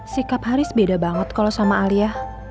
sikap haris beda banget kalau sama alia